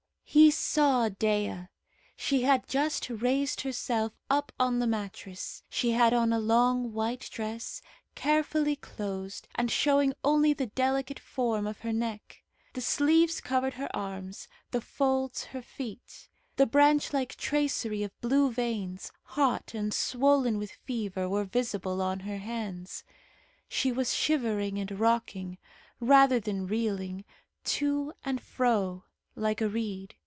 He saw Dea. She had just raised herself up on the mattress. She had on a long white dress, carefully closed, and showing only the delicate form of her neck. The sleeves covered her arms; the folds, her feet. The branch like tracery of blue veins, hot and swollen with fever, were visible on her hands. She was shivering and rocking, rather than reeling, to and fro, like a reed.